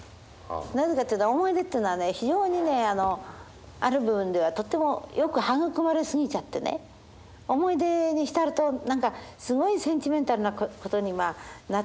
なぜかっていうと思い出っていうのはね非常にねある部分ではとってもよく育まれすぎちゃってね思い出に浸るとなんかすごいセンチメンタルなことになってね。